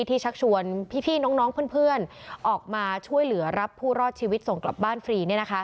ชักชวนพี่น้องเพื่อนออกมาช่วยเหลือรับผู้รอดชีวิตส่งกลับบ้านฟรี